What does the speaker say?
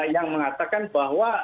yang mengatakan bahwa